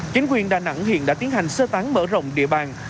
chính quyền đà nẵng hiện đã tiến hành sơ tán mở rộng địa bàn